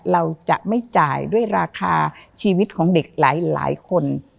เราจะไม่จ่ายด้วยราคาชีวิตของเด็กหลายคน